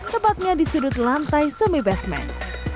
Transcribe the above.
tepatnya di sudut lantai semi basement